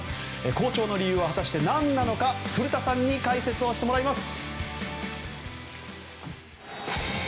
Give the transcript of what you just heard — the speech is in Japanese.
好調の理由は果たして何なのか古田さんに解説をしてもらいます。